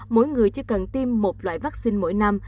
mỗi người chỉ cần tiêm một loại vaccine mỗi năm